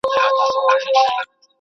حق ویل یوازې په ژبه نه وي.